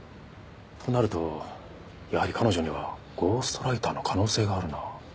となるとやはり彼女にはゴーストライターの可能性があるな。